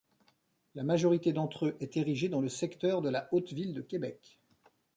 La majorité d'entre eux est érigée dans le secteur de la haute-ville de Québec.